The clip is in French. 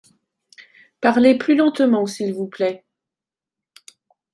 Parlez plus lentement s’il vous plait.